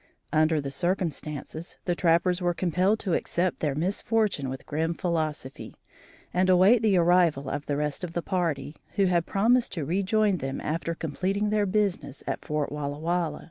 Under the circumstances, the trappers were compelled to accept their misfortune with grim philosophy, and await the arrival of the rest of the party, who had promised to rejoin them after completing their business at Fort Walla Walla.